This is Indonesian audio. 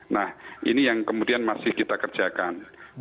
nah ini yang kemudian masih kita kerjakan